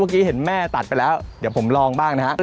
เมื่อกี้เห็นแม่ตัดไปแล้วเดี๋ยวผมลองบ้างนะครับ